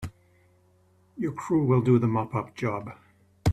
Your crew will do the mop up job.